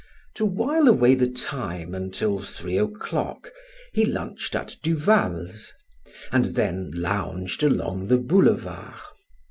To while away the time until three o'clock, he lunched at Duval's, and then lounged along the boulevard.